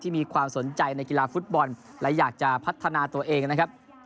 มีความสนใจในกีฬาฟุตบอลและอยากจะพัฒนาตัวเองนะครับ